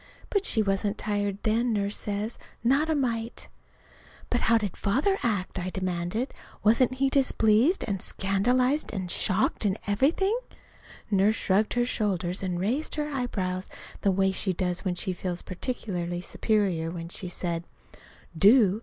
But she wasn't tired then, Nurse says not a mite. "But how did Father act?" I demanded. "Wasn't he displeased and scandalized and shocked, and everything?" Nurse shrugged her shoulders and raised her eyebrows the way she does when she feels particularly superior. Then she said: "Do?